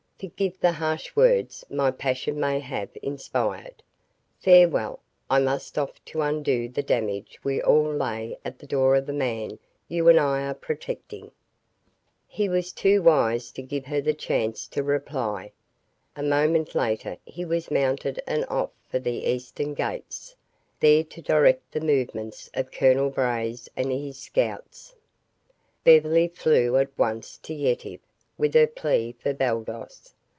Forgive the harsh words my passion may have inspired. Farewell! I must off to undo the damage we all lay at the door of the man you and I are protecting." He was too wise to give her the chance to reply. A moment later he was mounted and off for the eastern gates, there to direct the movements of Colonel Braze and his scouts. Beverly flew at once to Yetive with her plea for Baldos.